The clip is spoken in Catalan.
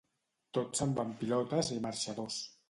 Tot se'n va amb pilotes i marxadors.